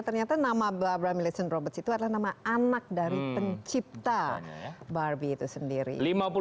ternyata nama bramilycene roberts itu adalah nama anak dari pencipta barbie itu sendiri